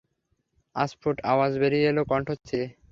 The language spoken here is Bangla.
অস্ফুট আওয়াজ বেরিয়ে এল কণ্ঠ চিরে।